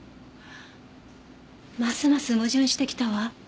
ますます矛盾してきたわ。